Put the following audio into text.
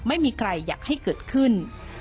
ไม่มีใครอยากให้เกิดขึ้น